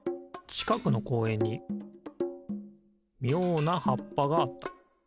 ちかくのこうえんにみょうなはっぱがあった。